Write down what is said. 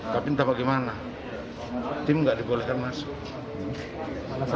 tapi entah bagaimana tim nggak dibolehkan masuk